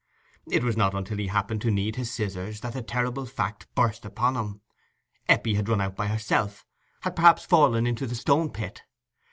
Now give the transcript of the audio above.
It was not until he happened to need his scissors that the terrible fact burst upon him: Eppie had run out by herself—had perhaps fallen into the Stone pit.